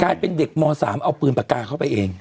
เด็กม๓เอาปืนปากกาเข้าไปเอง